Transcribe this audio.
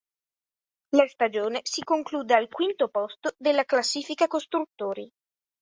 La stagione si conclude al quinto posto della classifica costruttori.